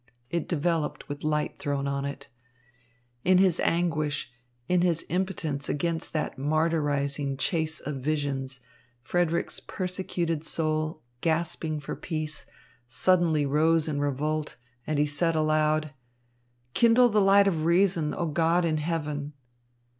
It developed with light thrown on it. In his anguish, in his impotence against that martyrising chase of visions, Frederick's persecuted soul, gasping for peace, suddenly rose in revolt, and he said aloud: "Kindle the light of reason, kindle the light of reason, O God in heaven!"